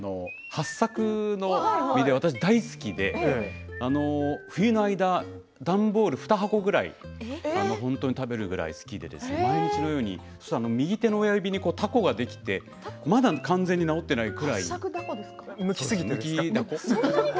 はっさくの実で私大好きで冬の間段ボール２箱分ぐらい食べるぐらい好きで毎日右手の親指にたこができて、まだ治っていなくてむきすぎて。